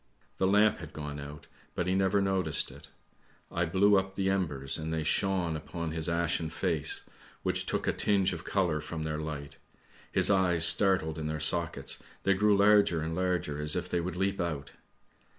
The lamp had gone out, but he never noticed it; I blew up the embers and they shone upon his ashen face which took a tinge of colour from their light, his eyes startled in their sockets, they grew larger and larger as if they would leap out.